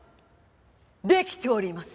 できております。